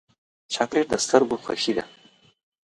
چاکلېټ د سترګو خوښي ده.